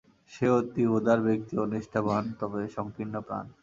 সে অতি উদার ব্যক্তি ও নিষ্ঠাবান, তবে সঙ্কীর্ণপ্রাণ।